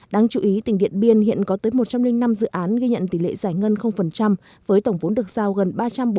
đáng chú ý tỉnh điện biên hiện có tới một trăm linh năm dự án ghi nhận tỷ lệ giải ngân với tổng vốn được giao